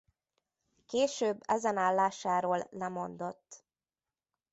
Később ezen állásáról lemondott.